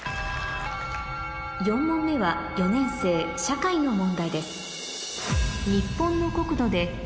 ４問目は４年生社会の問題です